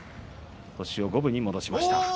星を五分に戻しました。